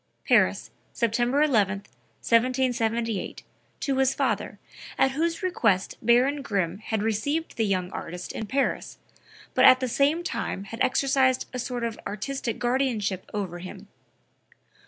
(Paris, September 11, 1778, to his father, at whose request Baron Grimm had received the young artist in Paris, but at the same time had exercised a sort of artistic guardianship over him.